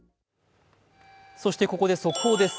そしてここで速報です。